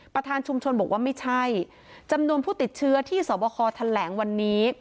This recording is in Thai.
ประธานชุมชนบอกว่าไม่ใช่จำนวนผู้ติดเชื้อที่สวบคอแถลงวันนี้